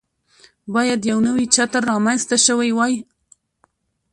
باید یو نوی چتر رامنځته شوی وای.